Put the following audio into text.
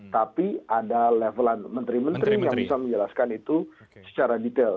tapi ada levelan menteri menteri yang bisa menjelaskan itu secara detail